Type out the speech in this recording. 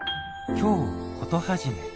「京コトはじめ」